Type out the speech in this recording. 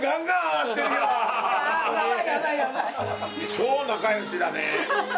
超仲よしだね。